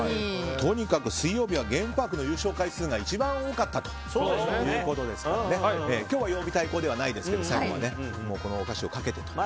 とにかく水曜日はゲームパークの優勝回数が一番多かったので今日は曜日対抗ではないですがお菓子をかけてという。